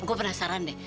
eh gue penasaran deh